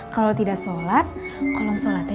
kalau tidak sholat